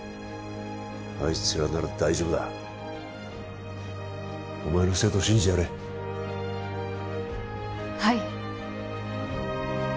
あいつらなら大丈夫だお前の生徒を信じてやれはい！